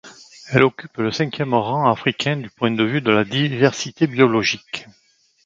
Elle occupe le cinquième rang africain du point de vue de la diversité biologique.